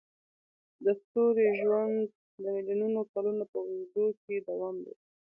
د ستوري ژوند د میلیونونو کلونو په اوږدو کې دوام لري.